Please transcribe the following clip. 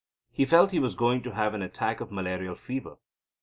He felt he was going to have an attack of malarial fever.